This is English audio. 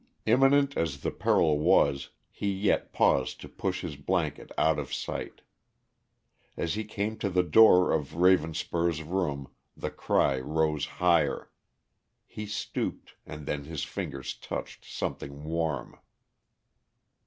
Imminent as the peril was, he yet paused to push his blanket out of sight. As he came to the door of Ravenspur's room the cry rose higher. He stooped and then his fingers touched something warm.